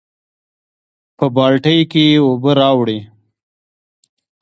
پۀ بالټي کښې ئې اوبۀ راوړې ـ